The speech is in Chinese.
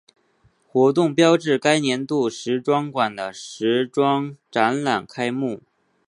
活动标志该年度时装馆的时装展览开幕。